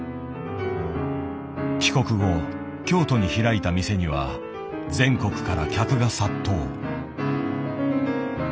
帰国後京都に開いた店には全国から客が殺到。